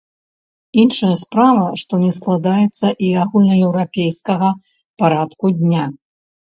Іншая справа, што не складаецца і агульнаеўрапейскага парадку дня.